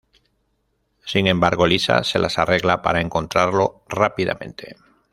Sin embargo, Lisa se las arregla para encontrarlo rápidamente.